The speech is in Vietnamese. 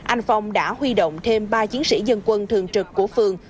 anh phong đã huy động thêm ba chiến sĩ dân quân thường trực của phường